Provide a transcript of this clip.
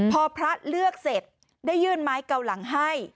พอพระเลือกเสร็จได้ยื่นไม้เกาหลังให้